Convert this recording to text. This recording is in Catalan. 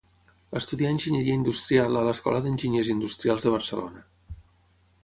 Estudià Enginyeria Industrial a l'Escola d'Enginyers Industrials de Barcelona.